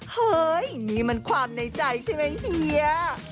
เฮ้ยนี่มันความในใจใช่ไหมเฮีย